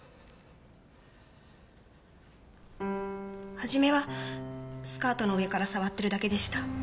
初めはスカートの上から触ってるだけでした。